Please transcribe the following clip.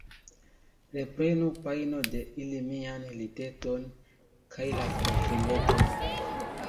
Reprenu, panjo, de ili mian liteton kaj la kovrileton.